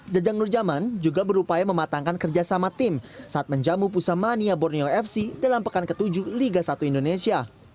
jajang nurjaman juga berupaya mematangkan kerjasama tim saat menjamu pusamania borneo fc dalam pekan ketujuh liga satu indonesia